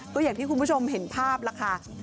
ก็อย่างที่คุณผู้ชมเห็นภาพล่ะค่ะ